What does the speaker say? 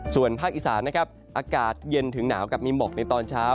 ส่วนภาคอีสานนะครับอากาศเย็นถึงหนาวกับมีหมอกในตอนเช้า